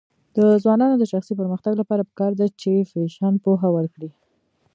د ځوانانو د شخصي پرمختګ لپاره پکار ده چې فیشن پوهه ورکړي.